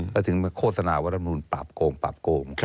และถึงโฆษณาวัตนบุญปราบโกง